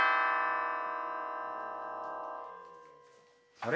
あれ？